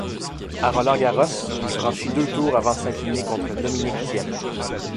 À Roland-Garros, il franchi deux tours avant de s'incliner contre Dominic Thiem.